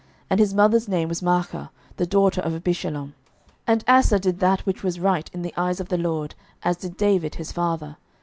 And his mother's name was Maachah, the daughter of Abishalom. 11:015:011 And Asa did that which was right in the eyes of the LORD, as did David his father.